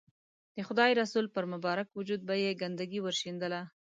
د خدای رسول پر مبارک وجود به یې ګندګي ورشیندله.